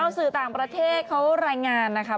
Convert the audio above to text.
สื่อต่างประเทศเขารายงานนะคะ